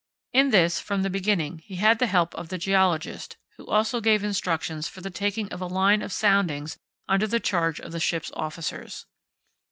In this, from the beginning, he had the help of the geologist, who also gave instructions for the taking of a line of soundings under the charge of the ship's officers.